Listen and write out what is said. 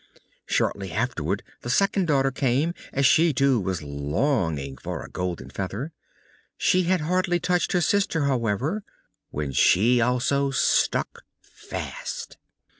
Shortly afterwards the second daughter came, as she too was longing for a golden feather. She had hardly touched her sister, however, when she also stuck fast.